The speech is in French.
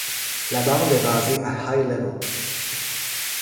La bande est basée à High Level.